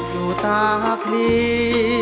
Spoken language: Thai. อยู่ตากลี